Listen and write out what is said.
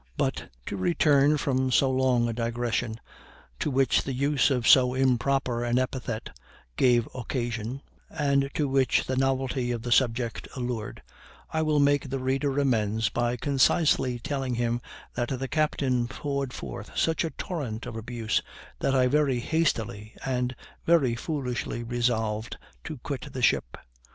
But, to return from so long a digression, to which the use of so improper an epithet gave occasion, and to which the novelty of the subject allured, I will make the reader amends by concisely telling him that the captain poured forth such a torrent of abuse that I very hastily and very foolishly resolved to quit the ship.